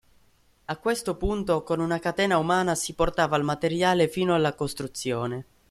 A questo punto, con una catena umana si portava il materiale fino alla costruzione.